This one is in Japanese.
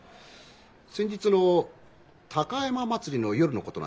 先日の高山祭の夜のことなんですけど。